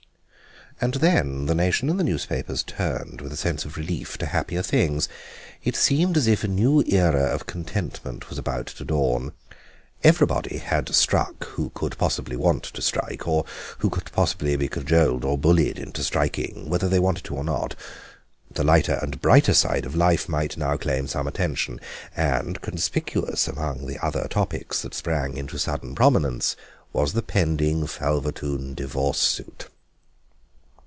And then the nation and the newspapers turned with a sense of relief to happier things. It seemed as if a new era of contentment was about to dawn. Everybody had struck who could possibly want to strike or who could possibly be cajoled or bullied into striking, whether they wanted to or not. The lighter and brighter side of life might now claim some attention. And conspicuous among the other topics that sprang into sudden prominence was the pending Falvertoon divorce suit.